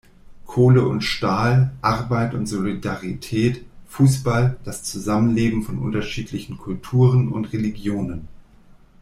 Kohle und Stahl, Arbeit und Solidarität, Fußball, das Zusammenleben von unterschiedlichen Kulturen und Religionen.